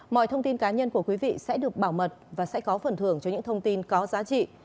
mọi thông tin cá nhân của quý vị sẽ được bảo mật và sẽ có phần thưởng cho những thông tin có giá trị